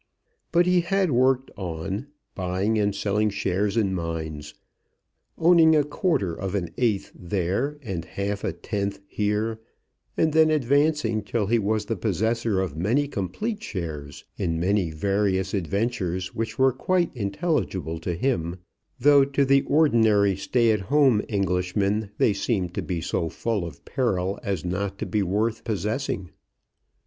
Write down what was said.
But he had worked on, buying and selling shares in mines, owning a quarter of an eighth there, and half a tenth here, and then advancing till he was the possessor of many complete shares in many various adventures which were quite intelligible to him, though to the ordinary stay at home Englishman they seem to be so full of peril as not to be worth possessing.